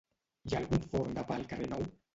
Hi ha algun forn de pa al carrer nou?